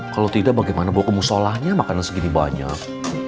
kalau tidak bagaimana bawa kamu sholahnya makanan segini banyak